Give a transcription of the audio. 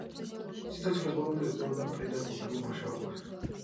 სიცოცხლის ბოლომდე ეწეოდა პედაგოგიურ მუშაობას.